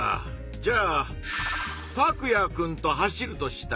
じゃあタクヤくんと走るとしたら？